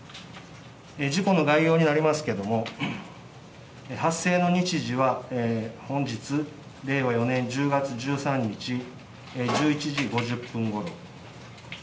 事故の概要になりますけれども、発生の日時は、本日、令和４年１０月１３日１１時５０分ごろ。